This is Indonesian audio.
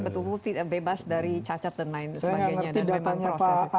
betul betul bebas dari cacat dan lain sebagainya